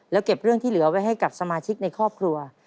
แล้วเก็บเรื่องที่เหลือไว้ให้กับสมาชิกในครอบครัว